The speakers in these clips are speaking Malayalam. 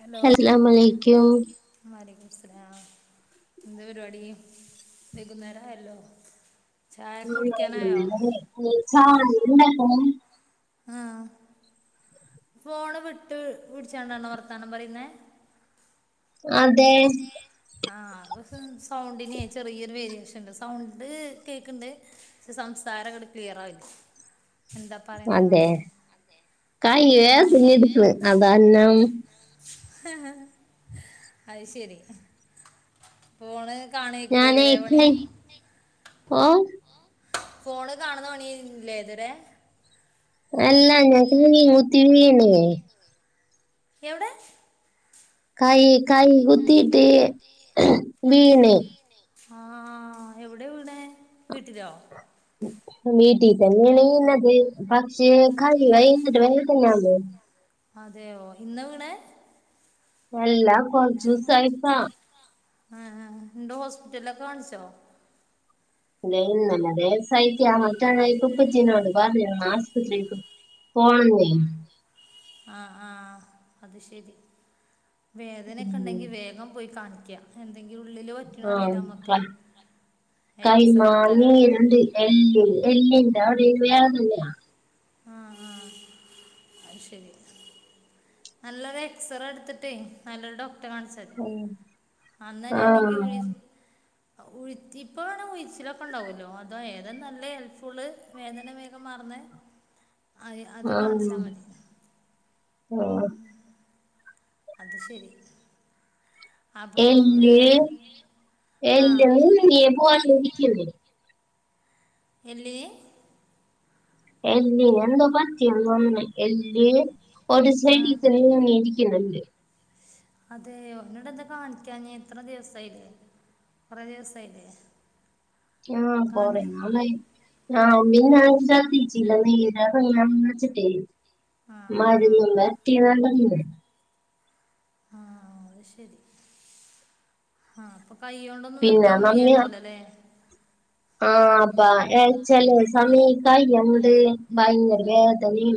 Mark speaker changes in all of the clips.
Speaker 1: ഹലോ
Speaker 2: സലാമലൈക്ക്യും.
Speaker 1: വലൈക്കും മുസ്ലാം. എന്ത പരിപാടി വകുന്നേരായല്ലോ ചായൊക്കെ കുടിക്ക്യാനായോ.
Speaker 2: ഇനി ചായണ്ടാക്കണം.
Speaker 1: ആഹ് ഫോണ് വിട്ട് വിട്ച്ചാണ്ടാണോ വർത്താനം പറയുന്നേ.
Speaker 2: അതെ.
Speaker 1: ആഹ് പ സെ സൗണ്ടിനെ ചെറിയൊരു വേരിയേഷൻണ്ട് സൗണ്ട് കേക്ക്ണ്ട്. ക്ഷെ സംസാര് ങ്ങട് ക്ലിയറാവില്ല. എന്താ പറയുന്നേ
Speaker 2: അതെ
Speaker 1: നമ്മളെ ആഹ്
Speaker 2: കയ്യേ
Speaker 1: പോണന്ന്.
Speaker 2: കുഞ്ഞിടുക്ക് അതാന്നം
Speaker 1: അയ് ശരി. ഫോണ് കാണ്ക്ക്രേ തരേപണി.
Speaker 2: ഓഹ്.
Speaker 1: ഫോണ് കാണുന്ന പണ്യേനി ലെ തരെ.
Speaker 2: അല്ല ഞാ ടി വിം കുത്തി വീണെ.
Speaker 1: യൗടെ.
Speaker 2: കൈ കൈ കുത്തിട്ട് വീണെ.
Speaker 1: ആഹ് എവിടെ വീണേ വീട്ടിലോ.
Speaker 2: വീട്ടി തന്നെണ് ഈണത് പക്ഷേ കൈ ഭയങ്കര വേദനാന്നേ.
Speaker 1: അതെയോ ഇന്ന വിണെ
Speaker 2: അല്ല കൊർച്ചുസായി പാ
Speaker 1: ആഹ് ആഹ് ണ്ടോസ്പിറ്റൽലൊക്കെ കാൺച്ചോ.
Speaker 2: ഇല്ല ഇല്ലല്ല ദേവസിയിറ്റ് ആ മറ്റാണെ ഇപ്പപ്പച്ചീനോട് പർഞ്ഞ ആസ്പത്രിക്ക്. പോണന്നെ.
Speaker 1: ആഹ് ആഹ് അത് ശരി
Speaker 2: ഉം.
Speaker 1: വേദനക്കെണ്ടെങ്കി വേഗം പോയി കാണിക്ക്യ. എന്തെങ്കി ഉള്ളില് പറ്റിണൊ
Speaker 2: ആ
Speaker 1: അറിലമ്മക്കെ
Speaker 2: കക്കായി
Speaker 1: എക്സറേ തരാറ്.
Speaker 2: മാങ്ങയിലുണ്ട് എല്ല് എല്ലിൻ്റവിടെ ഒരു വേദനയാ.
Speaker 1: ആഹ് ആഹ് അഹ് ശരി. നല്ലൊരു എക്സറേ ഇട്ത്തിട്ടേ നല്ലൊരു ഡോക്ടറെ കാണിച്ചാതി.
Speaker 2: ഉം.
Speaker 1: അന്നന്നെണെങ്കി ഉഴി ഉഴിത്തി പ്പങ്ങനെ ഉഴിച്ചിലൊക്കെണ്ടാവ്വല്ലോ അതോ ഏത നല്ല ഹെൽപ് ഫുള് വേദന വേഗം മാറന്ന്.
Speaker 2: ആഹ [unintelligible] ഓഹ്.
Speaker 1: അത് ശരി. അപ്പോൾ
Speaker 2: എല്ല്
Speaker 1: ആ
Speaker 2: എല്ല് നീ പോവാണ്ട്നിക്ക്യൂലേ.
Speaker 1: എല്ലിന്.
Speaker 2: എല്ലിനെന്തോ പറ്റിയെന്നൊന്നെണെ. എല്ല് ഒരു
Speaker 1: ആ
Speaker 2: സൈഡീക്കന്നെ നീതിക്കുന്നുണ്ട്.
Speaker 1: അതെയോ ന്നട്ടെന്താ കാണിക്ക്യാഞ്ഞെ ത്ര ദിവസായിലേ. കൊറെ ദിവസയിലേ.
Speaker 2: ആഹ് കൊറേ നാളായി. ആഹ് ഒമ്മിന നാ ജാത്തിച്ചീല്ല നേരാഞാൻന്ന് വെച്ചിട്ടേ.
Speaker 1: ആ ആ
Speaker 2: മരുന്നും പെര്ട്ടി വടണ്ട്.
Speaker 1: അ ശരി ആഹ് അപ്പൊ കൈയോണ്ടൊന്നും ഒന്നു
Speaker 2: പിന്നെ
Speaker 1: എട്ക്കാ വയ്യണ്ടാവുല ലേ.
Speaker 2: ആഹ് അപ്പാ ചചെലെ സമയം ഈ അങ്ങ്ട്ട് ഭയങ്കര വേദനയും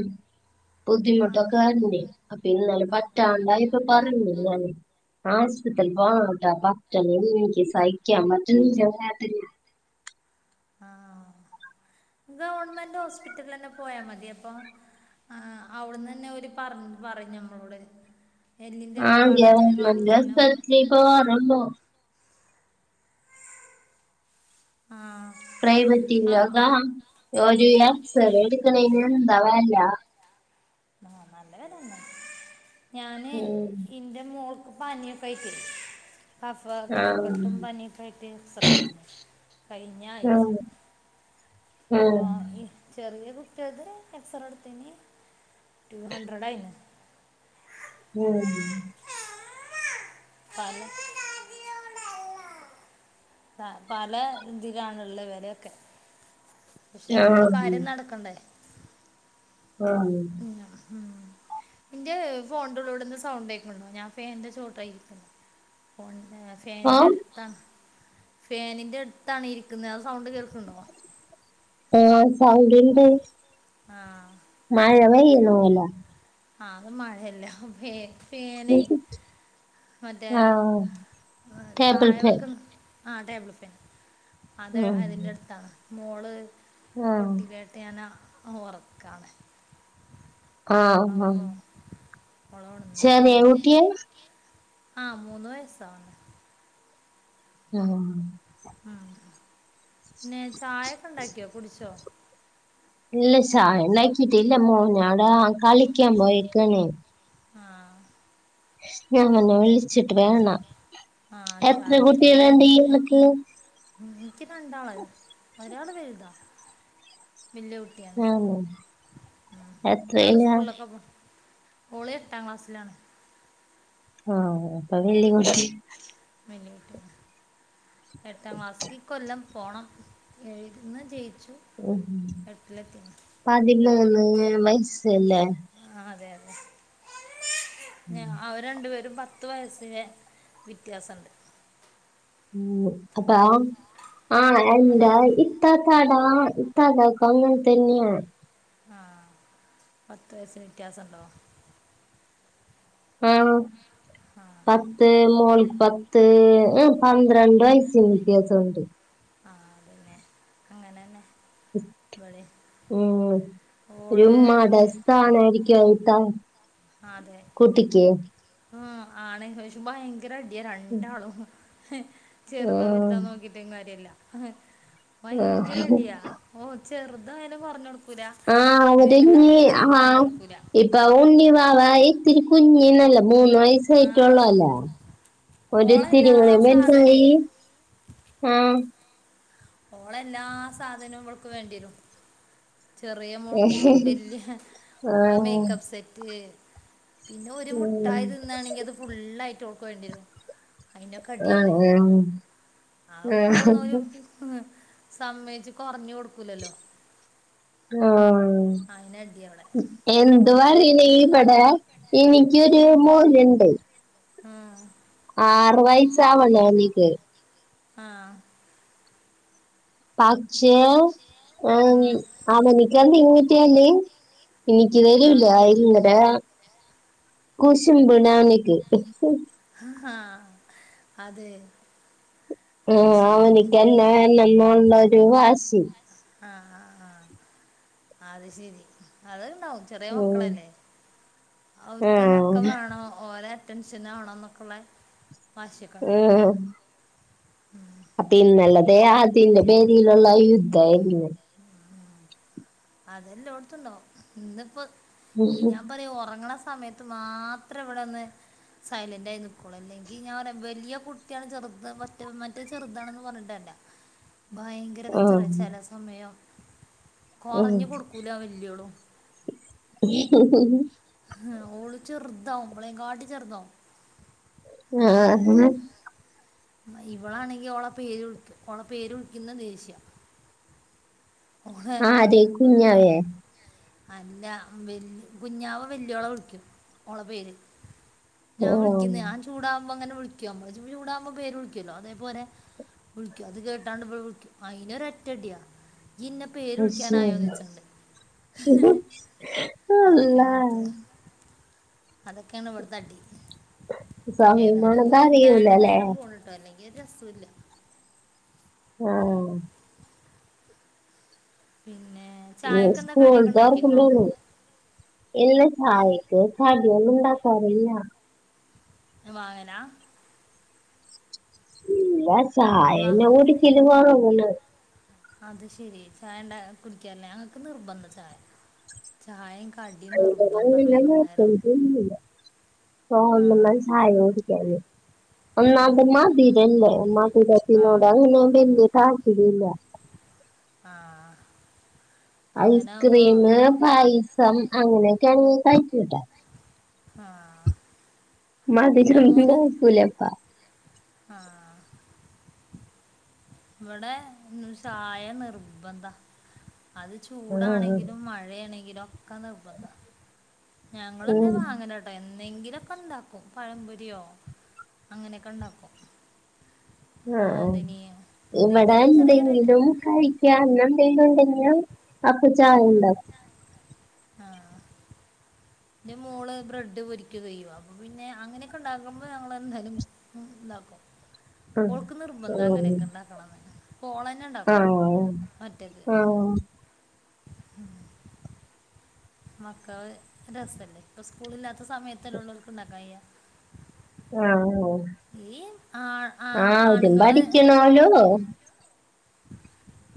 Speaker 1: ആ
Speaker 2: ബുദ്ധിമുട്ടൊക്കൊക്കായിട്ട് അപ്പൊ ഇന്നലെ പറ്റാടായപ്പോ പറഞ്ഞത് ഞാന് അസ്പിറ്റൽ പോണോട്ടോ പറ്റണില്ല എനിക്ക് സഹിക്കാം പറ്റണില്ല വേദന
Speaker 1: ആഹ് ഗവൺമെന്റ് ഹോസ്പിറ്റലിലൊക്കെ പോയാൽ മതി അപ്പോ ആഹ് അവിടന്ന്ന്നെ ഓല് പറഞ്ഞ് പറയും നമ്മളോട് എല്ലിന്റെ വിഭാഗത്തിന് കാണിക്കാനോ
Speaker 2: ചോരുന്നോ
Speaker 1: ആഹ് ആഹ് ആഹ്
Speaker 2: പ്രൈവറ്റിലൊക്കെ ഒര് എക്സ്റെ എടുക്കണന് എന്താ വേല
Speaker 1: ആഹ് നല്ല വേദനതെന്നെ ഞാന്
Speaker 2: ഉം,
Speaker 1: എൻ്റെ മോൾ പാനിയൊക്കെയായിട്ടെ കഫ
Speaker 2: ആ,
Speaker 1: കഫക്കെട്ടും പനിയക്ക ആട്ട് ശ്എക്‌സറെ എടുത്തിന് കഴിഞ്ഞ ആഴ്ച
Speaker 2: ഉം,
Speaker 1: അപ്പൊ
Speaker 2: ഉം,
Speaker 1: ഈ ചെറിയ കുട്ട്യാളത് എക്സറാടുത്തനി ടു ഹണ്ട്രഡായിന്
Speaker 2: ഉം
Speaker 1: പലേ ആഹ് പല ഇതിയിലണുള്ളത് വെലൊക്കെ പക്ഷെ
Speaker 2: ആ,
Speaker 1: നമ്മളെ കാര്യം നടക്കണ്ടേ
Speaker 2: ആന്ന്
Speaker 1: പിന്നെ ഉം എൻ്റെ ഫോണ്ടള്ളൂടെന്ന് സൗണ്ട് കേക്ക്ന്ന്ണ്ടോ ഞാൻപ്പേ ഫാനിൻ്റെ ചചോട്ടിലായിരിക്ക്ണ് ഫോണിൻ്റെ
Speaker 2: ഓ
Speaker 1: ഫാനിന്റെ അടുത്താണ് ഫാനിന്റെ അടുത്താണ് ഇരിക്കുന്നത് അ സൗണ്ട് കേ ക്കുണ്ടോ
Speaker 2: ആഹ് സൗണ്ടിണ്ട്
Speaker 1: ആ
Speaker 2: മഴ പെയ്യുന്നപോലെ
Speaker 1: ആഹ് അത് മഴല്ല ഫെ പെനെ മറ്റേ
Speaker 2: ആ ടേബിൾ
Speaker 1: താഴെ
Speaker 2: ഫാൻ
Speaker 1: വെക്കുന്ന ആഹ് ടേബിൾ ഫാൻ അത്
Speaker 2: ഉം,
Speaker 1: അതിൻ്റെ അടുത്താണ് മോള്
Speaker 2: ആ
Speaker 1: തൊട്ടില താണ് ഞാന് ഓർക്കാണ്
Speaker 2: ആഹ് ആഹ്
Speaker 1: അപ്പോ ഓളോണന്ന്
Speaker 2: ചെറിയ
Speaker 1: അതെ
Speaker 2: കുട്ടിയാ
Speaker 1: ആഹ് മൂന്ന് വയസ്സാവണ്
Speaker 2: ആഹ്
Speaker 1: ഉം പിന്നെ ചായൊക്കെ ഇണ്ടാക്കിയോ കുടിച്ചോ
Speaker 2: ഇല്ല ചായ ഇണ്ടാക്കിട്ടില്ല മോനാള് ആ കളിക്കാൻ പോയിക്കണേ
Speaker 1: ആഹ്
Speaker 2: ഞാൻന്നെ വിളിച്ചിട്ട് വേണം
Speaker 1: ആ
Speaker 2: എത്ര
Speaker 1: ചായ കുടിക്കാൻ
Speaker 2: കുട്ടികളണ്ടി ഇയാൾക്ക്
Speaker 1: ഉം എനിക്ക് രണ്ടാള് ഒരാള് വലുതാ വല്യ കുട്ട്യാണ്
Speaker 2: ആഹ്
Speaker 1: ഉം ഒരാള്
Speaker 2: എത്രയിലാ
Speaker 1: സ്കൂളിലൊക്കെ പോണ് ഓള് എട്ടാം ക്ലാസ്സിലാണ്
Speaker 2: ആഹ് അപ്പോ വല്ല്യ കുട്ടി
Speaker 1: വല്ല്യ കുട്ട്യാ എട്ടാം ക്ലാസിക്ക് ഈ കൊല്ലം പോണം എഴ്ന്ന് ജയിച്ചു
Speaker 2: ഉം
Speaker 1: എട്ടിലെത്തിയാണ്
Speaker 2: പതിമൂന്ന് വയസല്ലേ
Speaker 1: ആഹ് അതെ അതെ ഞ അവര് രണ്ടു പേരും പത്ത് വയസ്സിന് വിത്യാസണ്ട്
Speaker 2: ഉം അപ്പ ആഹ് എന്തായി ഇത്താത്തട ഇത്താത്താകും അങ്ങനെ തന്നെയണ്
Speaker 1: ആഹ് പത്ത് വയസ്സിന് വ്യത്യാസണ്ടോ
Speaker 2: ആഹ്
Speaker 1: ആ
Speaker 2: പാത്ത് പത്ത് മോൾക്ക് പത്ത് ഏ പന്ത്രണ്ട് വ്യത്യാസോണ്ട്
Speaker 1: ആഹ് അതന്നെ അങ്ങ്ടന്നേ
Speaker 2: ഉം
Speaker 1: ഓള്
Speaker 2: ഒരുമതാ
Speaker 1: എഹ്,
Speaker 2: സ്ഥനായിരിക്കും ഇത്താ
Speaker 1: അതെ ഉം ആണ് പക്ഷേ ഭയങ്കര അടിയാ രണ്ടാളും
Speaker 2: ആ
Speaker 1: ചെറുതാ വലുതാ നോക്കിട്ടും കാര്യല്ല
Speaker 2: ആ
Speaker 1: ഭയങ്കര അടിയ ഓ ചെറ്തായാലും കൊറ്ഞ്ഞ് ടു ക്കൂല
Speaker 2: ആ
Speaker 1: വല് ത് അത്രയും കൊറ്ഞ്ഞ് ടുക്കൂല
Speaker 2: ഇപ്പ ഉണ്ണി വാവ ഇത്തിരി കുഞ്ഞിന്നാല്ലോ മൂന്ന് വയസ്
Speaker 1: ആ
Speaker 2: ആയിട്ടോള്ളല്ലെ
Speaker 1: ഓളെല്ലാ
Speaker 2: ഒരുത്തിരികാടെ
Speaker 1: സാധനേ
Speaker 2: വലുതായി ആഹ്
Speaker 1: ഓളെ എല്ലാ സാധനവും ഇവൾക്ക് വേണ്ടിരും ചെറിയ മോൾക്ക്‌ വല്ല്യ
Speaker 2: ആ
Speaker 1: ഓള മേക്കപ്പ് സെറ്റ് പിന്നെ ഒരു മുട്ടായി
Speaker 2: ഉം.
Speaker 1: തിന്നാണെങ്കി അത് ഫുള്ളായിട്ട് ഓൾക്ക്‌ വേണ്ടിരും അയിനൊക്കെ
Speaker 2: ആ
Speaker 1: അടിയാണ്
Speaker 2: ആ ആ
Speaker 1: ആക്കൊന്ന് ഒരു പിസ് സമ്മയിച്ച് കൊറഞ്ഞ് കൊടുക്കൂലല്ലോ
Speaker 2: ആഹ്
Speaker 1: ആയിനാടിയാ വടെ
Speaker 2: എന്ത് പറയ്ണ് ഇവടെ എനിക്കൊരു മോന്ണ്ട്
Speaker 1: ആഹ്
Speaker 2: ആറു വയസ് ആവണോ എനിക്ക്
Speaker 1: ആഹ്
Speaker 2: പക്ഷ ആഹ്
Speaker 1: ഉം.
Speaker 2: ആ മണിക്ക [unintelligible] യല്ലേ എനിക്ക്
Speaker 1: ആ
Speaker 2: തരുല ഇങ്ങര വാ കുശുബ് നാനിക്ക്
Speaker 1: അതെ
Speaker 2: ആ
Speaker 1: അത് ശരി
Speaker 2: അവനിക്കന്നെവേണന്നള്ളൊരു വാശി
Speaker 1: ആഹ് ആഹ് ആഹ് അത് ശരി അത് ഇണ്ടാവും ചെറിയ
Speaker 2: ഉം
Speaker 1: മക്കളല്ലേ അവർക്ക്ന്നെ
Speaker 2: ആഹ്
Speaker 1: ഒക്കെ വേണോ ഓരെ ടെൻഷന ആണം ന്നൊക്കെ ളെള വാശിയൊക്കെ ണ്ടാവും
Speaker 2: ഓ അപ്പം ഇന്നലെതെ അതിന്റെ പേരിയിലുള്ള ആ യുദ്ധയിരുന്നു
Speaker 1: അതെല്ലോടുത്തു ഇണ്ടാകും ഇന്നിപ്പോ ഈ ഞാൻ പ്പറയൂ ഒറങ്ങ്ണ സമയത്ത് മാത്രം ഇവിടെ ന്ന് സൈലന്റ് ആയി നിക്കുളളൂ അല്ലെങ്കി ഞാ പറയാ വലിയ കുട്ടിയാണ് ചെറുത് മറ്റേ മറ്റേ ചെറുതാണെന്ന് പറഞ്ഞിട്ടല്ല ഭയങ്കര കച്ചറ ചെലാ സമയം
Speaker 2: ഉം
Speaker 1: കുറഞ്ഞു കൊടുക്കൂല വലിയോളും ഉം ഓള് ചെറുതാവും ഇവളെയും കാട്ടി ചെറുതാവും അതാണ്ടാല്
Speaker 2: ആഹ് ആഹ്
Speaker 1: ഇവളാണെങ്കി ഓള പേര് വിളിക്കും ഓള പേരുളിക്കുന്ന ദേഷ്യ ഓളെ
Speaker 2: ആര് കുഞ്ഞാവേ
Speaker 1: [unintelligible] അല്ല വൽ കുഞ്ഞാവ വല്യോള വിളിക്കും ഓള പേര് ഞാൻ
Speaker 2: ആഹ്
Speaker 1: വിളിക്കുന്ന ഞാ ചൂടകുമ്പോ അങ്ങനെ വിളിക്കും നമ്മള് ചൂടകുമ്പോ പേര് വിളിക്കല്ലോ അതേപോലെ വിളിക്കും അത് കേട്ടാണ്ട് ഇവളെവിക്കും അയിനൊരോറ്റടിയാ ഇയ്യ് ഇന്നെ പേരു വിളിക്കാൻ ആയോ ന്നൊ യിച്ചാട്ട്
Speaker 2: ശെരി
Speaker 1: അതൊക്കെയാണ് ഇവിടുത്തെ
Speaker 2: അല്ലാഹ്
Speaker 1: അതൊക്കെയാണ് ഇവിട്ത്തെ അടി
Speaker 2: സമയം
Speaker 1: ഏതായാലും ഓരുണ്ടായണ്ട്
Speaker 2: പോണതറിയൂലല്ലേ
Speaker 1: നേരം പോണിട്ടോ അല്ലെങ്കി ഒര് രസുല്ല
Speaker 2: ആഹാ
Speaker 1: പിന്നെ ചായക്ക് എന്താ
Speaker 2: സ്കൂൾ
Speaker 1: കടിയൊക്കെ ഉണ്ടാക്കിയോ
Speaker 2: തൊർക്കുന്നുള്ള ഇല്ല ചായക്ക് കാടിയൊന്നും ഉണ്ടാക്കാറില്ല
Speaker 1: ങ്ങ വാങ്ങലാ
Speaker 2: ഇല്ല ചായ
Speaker 1: വാ
Speaker 2: ന്നെ കുടിക്കല് കൊറ്ഞ്ഞ് ണ്
Speaker 1: അത് ശെരി ചായ ഉണ്ട കുടിക്കല്ലേ അങ്ങക്ക് നിർബന്ധം ചായ ചായേം
Speaker 2: [inaudible]
Speaker 1: ആ
Speaker 2: തോന്നമ്പോ ചായ കുടി ക്കാന്
Speaker 1: ആ
Speaker 2: ഒന്നാമത് മതിരല്ലേ
Speaker 1: ആ
Speaker 2: മതിരത്തിനോട് അങ്ങനെ വല്യ ത ൽപര്യല്ല
Speaker 1: ആഹ്
Speaker 2: ഐസ്ക്രീമ് പായിസം അങ്ങനെക്കെയണെങ്കി കഴിക്കുട്ടാ
Speaker 1: ആഹ്
Speaker 2: മതിരോന്നും നോക്കൂലപ്പ
Speaker 1: ആഹ് ഇവിടെ ചായ നിർബന്ധാ അത്
Speaker 2: ആഹ്
Speaker 1: ചൂടാണെങ്കിലും മഴയാണെങ്കിലും ഒക്കെ നിർബന്ധാ ഞങ്ങള് എന്തേ
Speaker 2: ഉം
Speaker 1: വാങ്ങ പ്പേ എന്തേങ്കിലൊക്കെ ഒണ്ടാക്കും പഴംപൊരിയോ അങ്ങനെയെക്കെ ഒണ്ടാക്കും ആഹ് [unintelligible]
Speaker 2: ഇവടെ എന്തെങ്കിലും കഴിക്കനോ എന്തങ്കിലും ഒണ്ടങ്കിലും
Speaker 1: ഉം ആഹ് ന്റെ മോള് ബ്രെഡ് പൊരിക്കുകയ്യോ അപ്പോ പിന്നെ അങ്ങനെയൊക്കെ ഒണ്ടാക്കുമ്പോ ഞങ്ങളെന്തായാലും ഇണ്ടാക്കും
Speaker 2: ഉണ്ടാക്കും
Speaker 1: ഓൾക്ക് നിർബന്ധാ
Speaker 2: ആഹ്
Speaker 1: അങ്ങനെക്കെ ഇണ്ടാക്കണംന്ന് ഓളന്നെ ണ്ടാക്കും
Speaker 2: ആഹ്
Speaker 1: ഒറ്റക്ക്
Speaker 2: ആഹ്
Speaker 1: ഉം മക്കള് രസല്ലേ ഇപ്പ സ്കൂളില്ലാത്ത സമയത്തല്ലേള്ളൂ ഓല്ക്ക് ഇണ്ടാക്കാം കയ്യാ
Speaker 2: ആഹ്
Speaker 1: ഈ ആഹ് ആഹ് ആണുങ്ങള്
Speaker 2: ഹലോ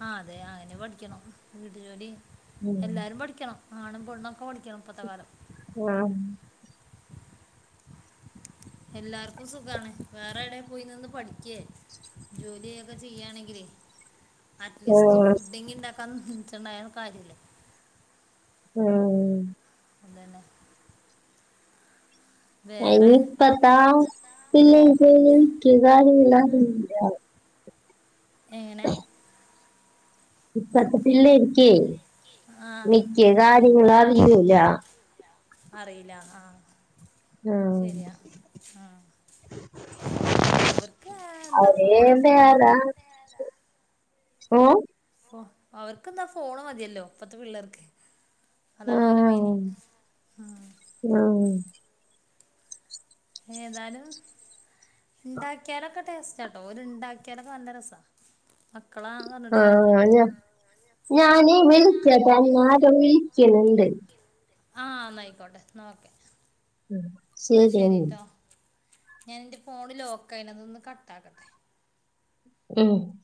Speaker 1: ആഹ് അതെ അങ്ങനെ പഠിക്കണം വിട്ട് ജോലിം
Speaker 2: ഉം
Speaker 1: എല്ലാരും പഠിക്കണം ആണും പെണ്ണൊക്കെ പഠിക്കണം ഇപ്പത്തെ കാലം
Speaker 2: ആഹ്
Speaker 1: എല്ലാർക്കും സുഖാണ് വേറെ എടെ പോയി നിന്ന് പഠിക്കേ ജോലിയൊക്കെ ചെയ്യാണെങ്കിലേ അറ്റ്ലീസ്റ്റ്
Speaker 2: ആഹ്
Speaker 1: ഫുഡെങ്കിൽ ഇണ്ടാക്കാ നിച്ചണ്ടായ കാര്യല്ലേ
Speaker 2: ആഹ്
Speaker 1: അതന്നെ
Speaker 2: ആഹ്‌
Speaker 1: വേറെ
Speaker 2: ഇനിപ്പത്താ പില്ലെക്ക് [inaudible]
Speaker 1: എങ്ങനെ
Speaker 2: [inaudible] ഇപ്പത്തെ പിള്ളേരിക്കേ
Speaker 1: ആ
Speaker 2: മിക്കകാര്യങ്ങളറിയുലാ
Speaker 1: അറിയില്ല ആഹ്
Speaker 2: ആഹ്
Speaker 1: ശെരിയാ ആഹ് അവർക്ക് എന്താ
Speaker 2: അവര്
Speaker 1: ഫോണ് ഫോണ്
Speaker 2: ഓഹ്
Speaker 1: ഓഹ് അവർക്കെന്താ ഫോണ് മതിയല്ലോ ഇപ്പത്തെ പിള്ളേർക്ക് അതാണ് ഓല മെയ്ൻ
Speaker 2: ആഹ്
Speaker 1: ഉം
Speaker 2: ആഹ്
Speaker 1: ഏതാലും ഇണ്ടാക്കിയാലൊക്കെ ടേസ്‌റ്റാട്ടോ ഓര് ഇണ്ടാക്കിയാലൊക്കെ നല്ല രസാ മക്കളാ പറഞ്ഞിട്ട്
Speaker 2: ആഹ്
Speaker 1: കാര്യമില്ല
Speaker 2: ഞ ഞാനേ വിളിക്കട്ട എന്നെ ആരോ വിളിക്കണ് ണ്ട്
Speaker 1: ആഹ് ന്നായിക്കോട്ടെ എന്നാ ഓക്കെ എന്നാ
Speaker 2: ശരിയെന്നാ
Speaker 1: ശെരിട്ടോ ഞാനെന്റെ ഫോണ് ലോക്കായിനാ അതൊന്ന് കട്ടാക്കട്ടെ
Speaker 2: ഉം